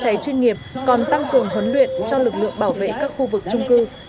công tác tuyên nghiệp còn tăng cường huấn luyện cho lực lượng bảo vệ các khu vực trung cư